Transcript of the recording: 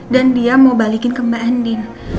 dan dia mau balikin ke mbak andin